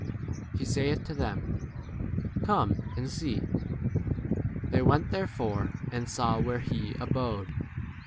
He saith to them, Come and see. They went therefore,* and saw where he abode